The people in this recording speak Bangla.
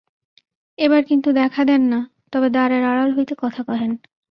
এবার কিন্তু দেখা দেন না, তবে দ্বারের আড়াল হইতে কথা কহেন।